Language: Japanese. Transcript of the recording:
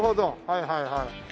はいはいはい。